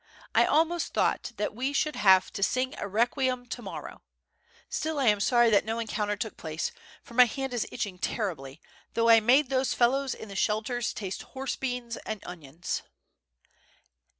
I almost thought that we should have to smg a requiem to morrow. Still I am sorry that no encounter took place, for my hand is itching terribly, though I made those fellows in the ahelters taste horse beans and onions.''